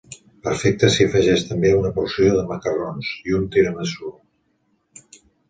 Perfecte si afegeix també una porció de macarrons, i un tiramisú.